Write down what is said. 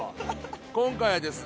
今回はですね